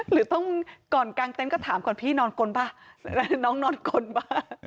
หรือต้องก่อนกลางเต็นต์ก็ถามก่อนพี่นอนกลป่ะน้องนอนกลป่ะ